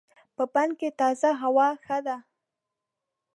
په بڼ کې تازه هوا ښه ده.